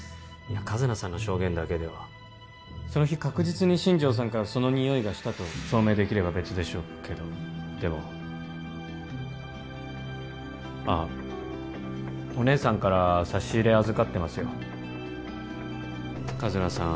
一奈さんの証言だけではその日確実に新庄さんからそのニオイがしたと証明できれば別でしょうけどでもああお姉さんから差し入れ預かってますよ一奈さん